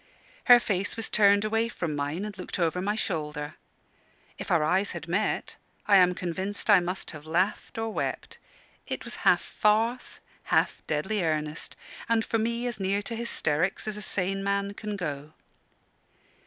Her face was turned away from mine, and looked over my shoulder; if our eyes had met, I am convinced I must have laughed or wept. It was half farce, half deadly earnest, and for me as near to hysterics as a sane man can go.